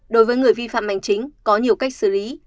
đối với người vi phạm hành chính có nhiều cách xử lý